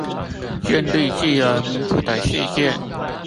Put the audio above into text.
建立自由民主的世界